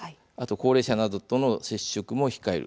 高齢者などとの接触も控える